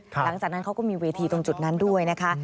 หลังจากนั้นเขาก็มีเวทีตรงจุดนั้นด้วยนะคะ